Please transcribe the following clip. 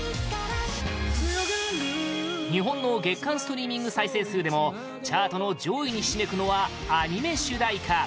日本の月間ストリーミング再生数でもチャートの上位にひしめくのはアニメ主題歌